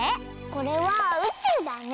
これはうちゅうだね。